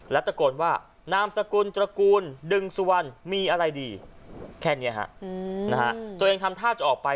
และตะโกนว่านามสกุลตระกูลดึงสุวรรณมีอะไรดีแค่นี้ฮะตัวเองทำท่าจะออกไป